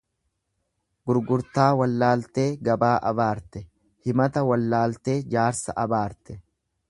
Gurgurtaa wallaaltee gabaa abaarte, himata wallaaltee jaarsa abaarte.